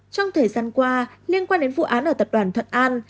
trong thời gian qua liên quan đến vụ án ở tập đoàn thuận an